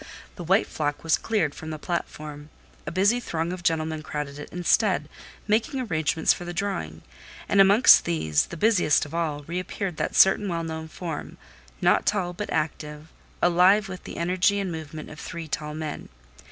The white flock was cleared from the platform; a busy throng of gentlemen crowded it instead, making arrangements for the drawing; and amongst these—the busiest of all—re appeared that certain well known form, not tall but active, alive with the energy and movement of three tall men.